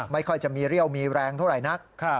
ไม่ค่อยจะมีเรี่ยวมีแรงเท่าไหร่นัก